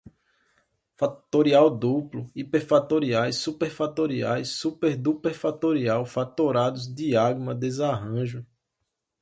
factorial duplo, hiperfactoriais, superfactoriais, superduperfatorial, fatorados, digama, desarranjo